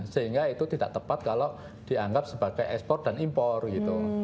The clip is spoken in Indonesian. sehingga itu tidak tepat kalau dianggap sebagai ekspor dan impor gitu